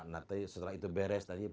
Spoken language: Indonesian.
nanti setelah itu beres